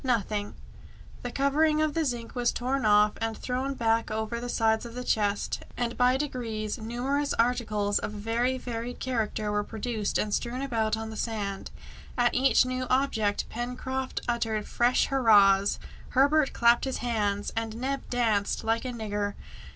"Nothing!" The covering of zinc was torn off and thrown back over the sides of the chest, and by degrees numerous articles of very varied character were produced and strewn about on the sand. At each new object Pencroft uttered fresh hurrahs, Herbert clapped his hands, and Neb danced like a nigger.